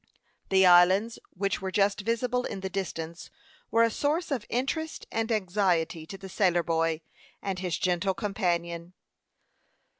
The islands which were just visible in the distance were a source of interest and anxiety to the sailor boy and his gentle companion.